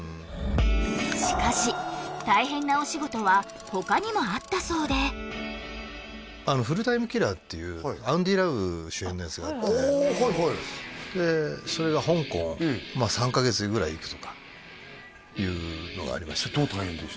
しかし大変なお仕事は他にもあったそうで「フルタイム・キラー」っていうアンディ・ラウ主演のやつがあっておはいはいでそれが香港まあ３カ月ぐらい行くとかいうのがありましたね